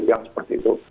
yang seperti itu